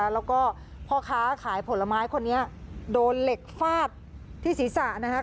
แล้วก็พ่อค้าขายผลไม้คนนี้โดนเหล็กฟาดที่ศีรษะนะครับ